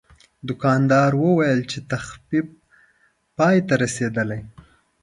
دوکاندار وویل چې تخفیف پای ته رسیدلی.